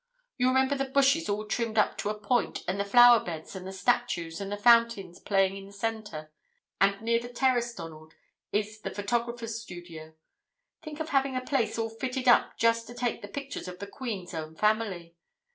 You remember the bushes all trimmed up to a point, and the flower beds and the statues, and the fountains playing in the centre. And near the Terrace, Donald, is the Photographer's Studio. Think of having a place all fitted up just to take the pictures of the Queen's own family!